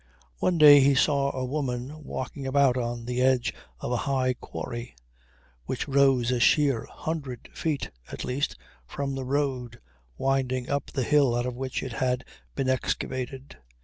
One day he saw a woman walking about on the edge of a high quarry, which rose a sheer hundred feet, at least, from the road winding up the hill out of which it had been excavated.